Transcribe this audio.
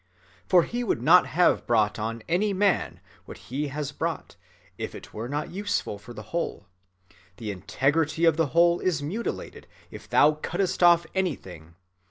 For he would not have brought on any man what he has brought, if it were not useful for the whole. The integrity of the whole is mutilated if thou cuttest off anything.